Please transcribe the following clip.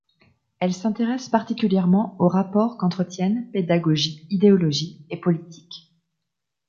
Elle s'intéresse particulièrement aux rapports qu'entretiennent pédagogie, idéologie et politique.